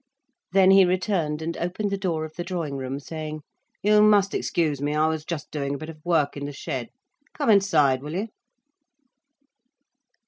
Then he returned, and opened the door of the drawing room, saying: "You must excuse me, I was just doing a bit of work in the shed. Come inside, will you."